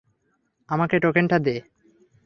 আমাকে টোকেনটা দে।